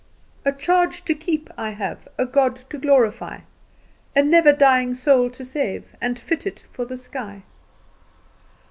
"'A charge to keep I have, A God to glorify; A never dying soul to save, And fit it for the sky.